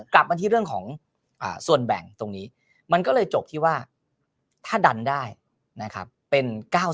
กลับมาที่เรื่องของส่วนแบ่งตรงนี้มันก็เลยจบที่ว่าถ้าดันได้นะครับเป็น๙๑